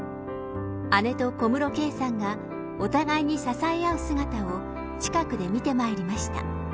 姉と小室圭さんがお互いに支え合う姿を、近くで見てまいりました。